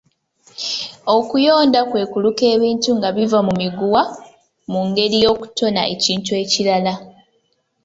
Okuyonda kwe kuluka ebintu nga biva mu miguwa mu ngeri y’okutona ekintu ekirala.